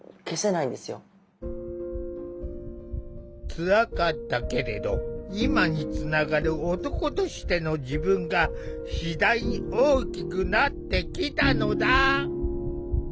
つらかったけれど今につながる男としての自分が次第に大きくなってきたのだ。